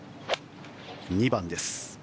２番です。